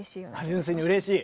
純粋にうれしい？